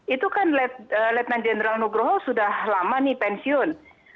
itu kan lieutenant general nugroho sudah lama nih pensiun